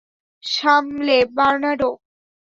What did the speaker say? সামলে, বার্নার্ডো।